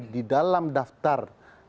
di dalam daftar